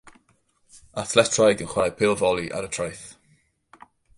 Athletwraig yn chwarae pêl foli ar y traeth.